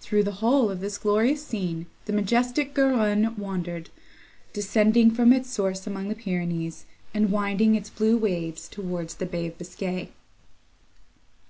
Through the whole of this glorious scene the majestic Garonne wandered; descending from its source among the Pyrenees, and winding its blue waves towards the Bay of Biscay.